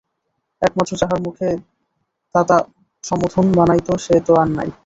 একমাত্র যাহার মুখে তাতা সম্বোধন মানাইত সে তো আর নাই।